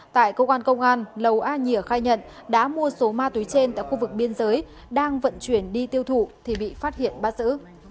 tại cơ quan công an lầu a nhìa khai nhận đã mua số ma túy trên tại khu vực biên giới đang vận chuyển đi tiêu thụ thì bị phát hiện bắt giữ